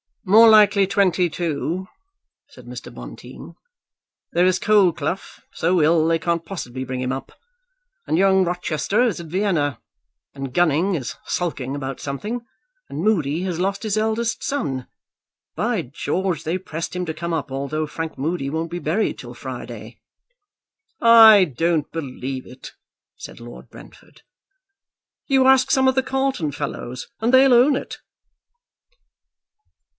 "More likely twenty two," said Mr. Bonteen. "There is Colcleugh so ill they can't possibly bring him up, and young Rochester is at Vienna, and Gunning is sulking about something, and Moody has lost his eldest son. By George! they pressed him to come up, although Frank Moody won't be buried till Friday." "I don't believe it," said Lord Brentford. "You ask some of the Carlton fellows, and they'll own it."